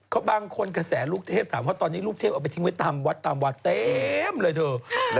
ก็บางคนกระแสลูกเทพถามว่าตอนนี้ลูกเทพเอาไปทิ้งไว้ตามวัดตามวัดเต็มเลยเถอะ